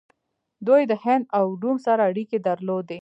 دوی د هند او روم سره اړیکې درلودې